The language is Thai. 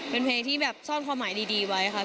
เป็นเพลงที่แบบซ่อนความหมายดีไว้ค่ะ